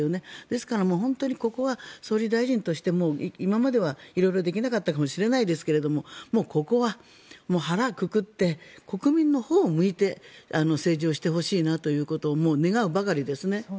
ですからここは総理大臣としても今までは色々できなかったもしれないですがここは腹をくくって国民のほうを向いて政治をしてほしいなということを願うばかりです。